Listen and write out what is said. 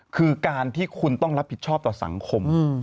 คือการที่คุณต้องรับผิดชอบต่อสังคม